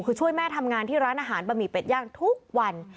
คือช่วยแม่ทำงานที่ร้านอาหารบะหมี่เป็ดย่างทุกวัน